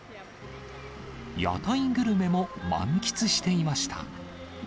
屋台グルメも満喫していました。